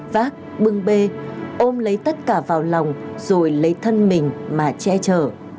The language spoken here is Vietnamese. vác bưng bê ôm lấy tất cả vào lòng rồi lấy thân mình mà che chở